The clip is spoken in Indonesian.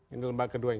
ini lembaga kedua ini